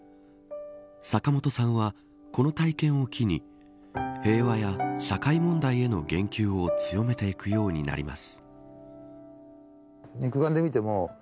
坂本さんはこの体験を機に平和や社会問題への言及を強めていくようになります。